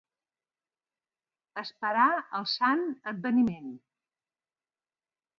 Esperar el Sant Adveniment.